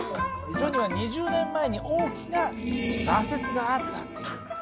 徐には２０年前に大きな挫折があったっていうんだ。